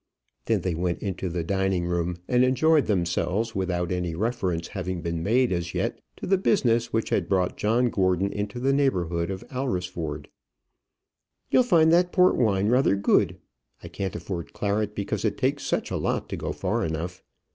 Then they went into the dining room, and enjoyed themselves, without any reference having been made as yet to the business which had brought John Gordon into the neighbourhood of Alresford. "You'll find that port wine rather good. I can't afford claret, because it takes such a lot to go far enough.